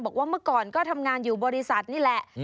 บอกว่าเมื่อก่อนก็ทำงานอยู่บริษัทนี่แหละ